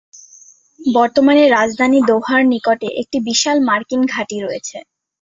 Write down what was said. বর্তমানে রাজধানী দোহার নিকটে একটি বিশাল মার্কিন ঘাঁটি রয়েছে।